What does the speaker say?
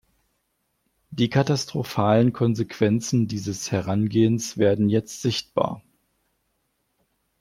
Die katastrophalen Konsequenzen dieses Herangehens werden jetzt sichtbar.